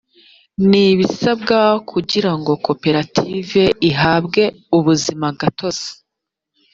n ibisabwa kugira ngo koperative ihabwe ubuzimagatozi